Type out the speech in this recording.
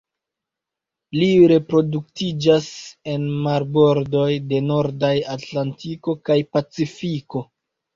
Ili reproduktiĝas en marbordoj de nordaj Atlantiko kaj Pacifiko.